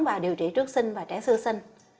và điều trị trước sinh và trẻ sư sinh